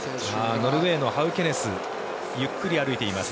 ノルウェーのハウケネスゆっくり歩いています。